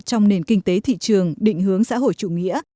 trong nền kinh tế thị trường định hướng xã hội chủ nghĩa